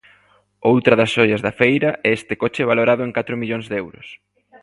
Outra das xoias da feira é este coche valorado en catro millóns de euros.